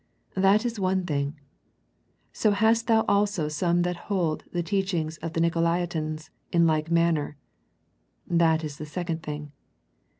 That is one thing. " So hast thou also some that hold the teaching of the Nicolaitans in like manner." That is the second thing.